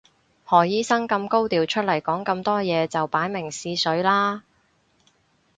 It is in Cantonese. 何醫生咁高調出嚟講咁多嘢就擺明試水啦